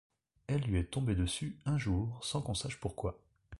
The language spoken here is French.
Elle lui est tombée dessus un jour sans qu'on sache pourquoi.